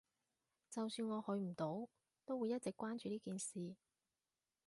就算我去唔到，都會一直關注呢件事